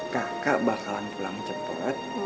kakak bakalan pulang cepet